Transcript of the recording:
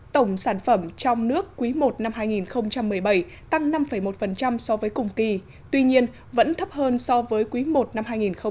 tổng sản phẩm trong nước quý i năm hai nghìn một mươi bảy tăng năm một so với cùng kỳ tuy nhiên vẫn thấp hơn so với quý i năm hai nghìn một mươi tám